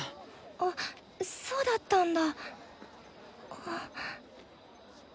あそうだったんだ。